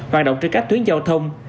hoạt động trên các tuyến giao thông